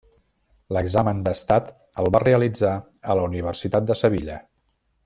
L'examen d'estat el va realitzar a la Universitat de Sevilla.